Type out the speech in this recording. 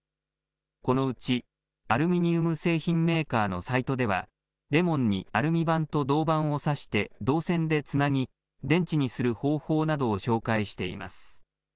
このうちアルミニウム製品メーカーのサイトでは、レモンにアルミ板と銅板を刺して導線でつなぎ、電池にする方法などを紹介しています。